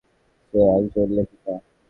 সে একজন লেখিকা।